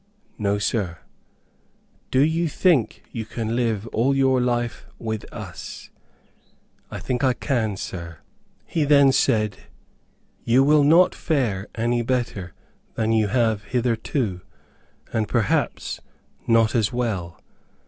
"No Sir." "Do you think you can live all your life with us." "I think I can, sir." He then said, "You will not fare any better than you have hitherto, and perhaps not as well."